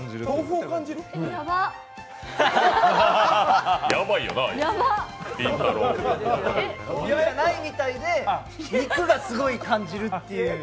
豆腐じゃないみたいで肉がすごい感じるっていう。